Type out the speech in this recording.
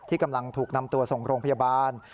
กำลังถูกนำตัวส่งโรงพยาบาล